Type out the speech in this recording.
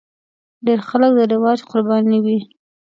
ډېر خلک د رواج قرباني وي.